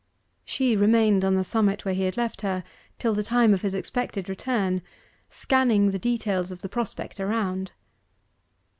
She remained on the summit where he had left her till the time of his expected return, scanning the details of the prospect around.